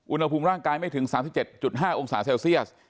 อุณหภูมิร่างกายไม่ถึงสามสิบเจ็ดจุดห้าองศาเซลเซียส